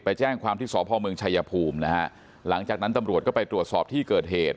แจ้งความที่สพเมืองชายภูมินะฮะหลังจากนั้นตำรวจก็ไปตรวจสอบที่เกิดเหตุ